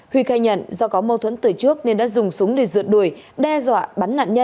huy khai nhận do có mâu thuẫn từ trước nên đã dùng súng để rượt đuổi đe dọa bắn nạn nhân